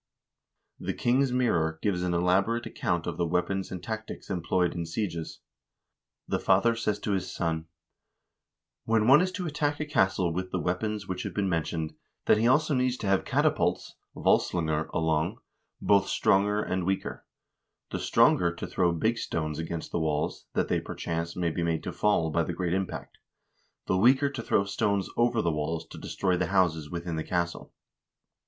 "The King's Mirror" gives an elaborate account of the weapons and tactics employed in sieges. The father says to his son : "When one is to attack a castle with the weapons which have been mentioned, then he needs also to have catapults (valslfingur) along, both stronger and weaker; the stronger to throw big stones against the walls, that they, perchance, may be made to fall by the great impact ; the weaker to throw stones over the walls to destroy the houses within the castle.